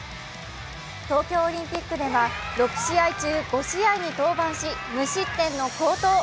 東京オリンピックでは６試合中５試合に登板し無失点の好投。